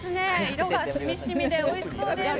色が染み染みでおいしそうです。